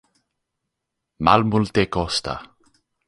malmultekosta